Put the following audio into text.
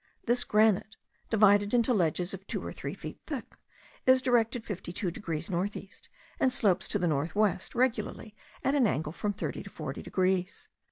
This granite, divided into ledges of two or three feet thick, is directed 52 degrees north east, and slopes to the north west regularly at an angle of from 30 or 40 degrees.